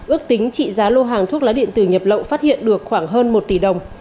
ước tính trị giá lô hàng thuốc lá điện tử nhập lộng phát hiện được khoảng hơn một tỷ đồng